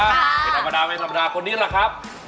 เป็นธรรมดาไหมธรรมดาคนนี้ล่ะครับ